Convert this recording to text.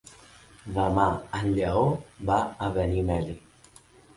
Demà en Lleó va a Benimeli.